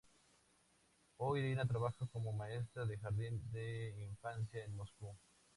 Hoy Irina trabaja como maestra de jardín de infancia en Moscú.